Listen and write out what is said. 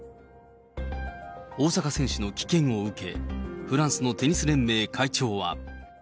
大坂選手の棄権を受け、フランスのテニス連盟会長は。